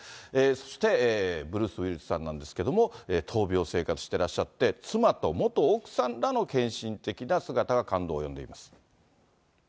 そして、ブルース・ウィルスさんなんですけれども、闘病生活してらっしゃって、妻と元奥さんらの献身的な姿が感動を呼んでいます。